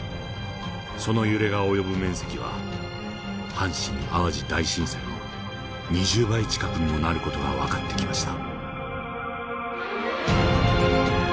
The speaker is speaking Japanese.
その揺れが及ぶ面積は阪神淡路大震災の２０倍近くにもなる事が分かってきました。